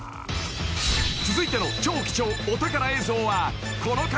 ［続いての超貴重お宝映像はこの方］